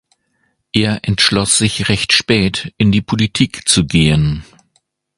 Er entschloss sich recht spät in die Politik zu gehen.